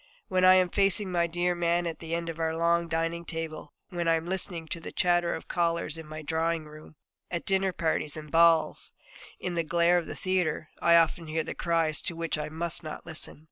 When I am facing my dear man at the other end of our long dining table, when I am listening to the chatter of callers in my drawing room, at dinner parties and balls, in the glare of the theatre, I often hear the cries to which I must not listen.